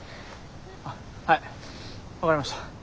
はい分かりました。